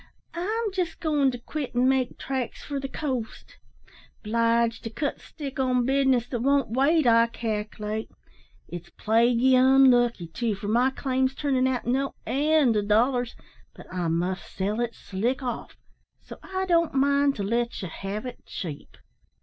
I'm jest goin' to quit an' make tracks for the coast. 'Bliged to cut stick on business that won't wait, I calc'late. It's plaguey unlucky, too, for my claim's turnin' out no end o' dollars, but I must sell it slick off so I don't mind to let ye have it cheap."